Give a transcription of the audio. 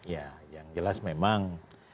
ya yang jelas memang